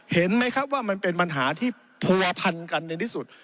เห็นไหมครับว่ามันเป็นปัญหาที่ผัวพันกันในที่สุด